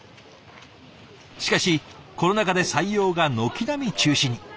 しかしコロナ禍で採用が軒並み中止に。